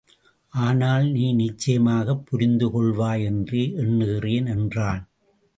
ஆனால், நீ நிச்சயமாகப் புரிந்து கொள்வாய் என்றே எண்ணுகிறேன் என்றான்.